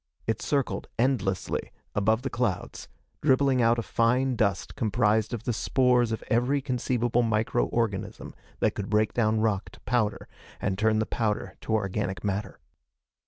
It circled endlessly above the clouds, dribbling out a fine dust comprised of the spores of every conceivable microorganism that could break down rock to powder and turn the powder to organic matter.